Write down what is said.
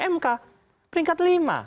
mk peringkat lima